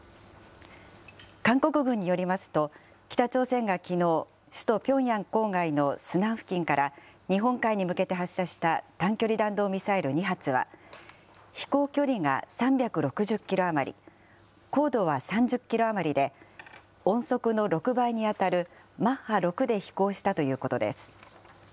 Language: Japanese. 韓国軍によりますと、北朝鮮がきのう、首都ピョンヤン郊外のスナン付近から、日本海に向けて発射した短距離弾道ミサイル２発は飛行距離が３６０キロ余り、高度は３０キロ余りで、音速の６倍に当たるマッハ６で飛行したということです。